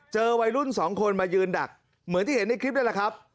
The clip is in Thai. วัยรุ่นสองคนมายืนดักเหมือนที่เห็นในคลิปนั่นแหละครับ